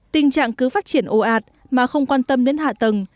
tình trạng cứ phát triển ồ ạt mà không quan tâm đến hạ tầng